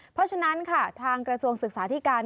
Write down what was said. เพราะฉะนั้นค่ะทางกระทรวงศึกษาที่การ